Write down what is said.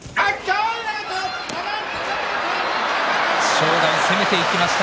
正代、攻めていきました。